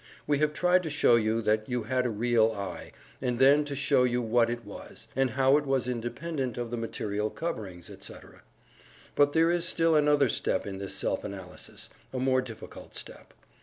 We have tried to show you that you had a real "I," and then to show you what it was, and how it was independent of the material coverings, etc. But there is still another step in this self analysis a more difficult step.